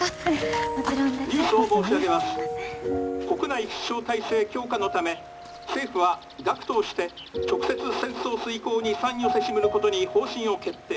国内必勝体制強化のため政府は学徒をして直接戦争遂行に参与せしむることに方針を決定」。